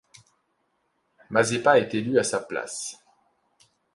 Mazepa est élu à sa place.